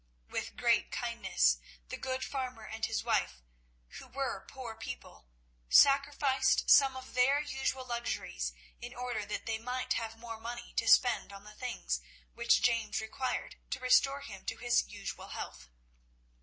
With great kindness, the good farmer and his wife, who were poor people, sacrificed some of their usual luxuries in order that they might have more money to spend on the things which James required to restore him to his usual health.